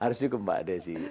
harus cukup mbak desi